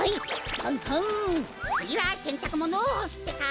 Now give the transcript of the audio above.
つぎはせんたくものをほすってか！